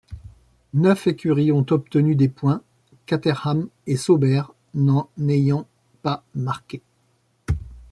Neuf écuries ont obtenu des points, Caterham et Sauber n'en ayant pas marqué.